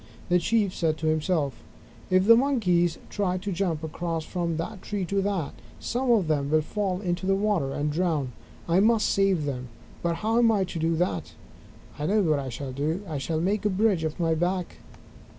The Chief said to himself: "If the Monkeys try to jump across from this tree to that, some of them will fall into the water and drown. I must save them, but how am I to do it? I know what I shall do. I shall make a bridge of my back."